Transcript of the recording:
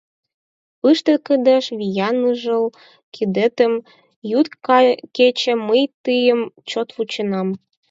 Пыште кидеш виян ныжыл кидетым: Йӱд-кече мый тыйым чот вученам.